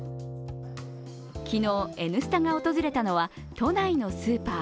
昨日「Ｎスタ」が訪れたのは都内のスーパー。